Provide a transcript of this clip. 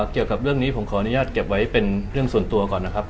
เกี่ยวกับเรื่องนี้ผมขออนุญาตเก็บไว้เป็นเรื่องส่วนตัวก่อนนะครับ